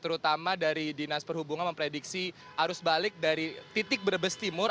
terutama dari dinas perhubungan memprediksi arus balik dari titik brebes timur